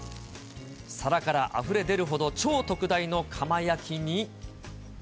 皿からあふれ出るほど超特大のカマ焼きに。